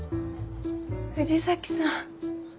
藤崎さん。